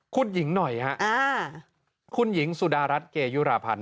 คุณหญิงหน่อยฮะคุณหญิงสุดารัฐเกยุราพันธ์